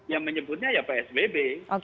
yang menyebutnya ya psbb